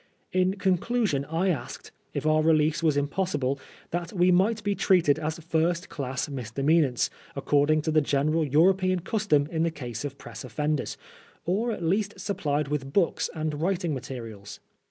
In conclusion I asked, if our release was impossible, that we might be treated as first class misdemeanants, according to the general European custom in the case of press offenders, or at least supplied with books and writing materials.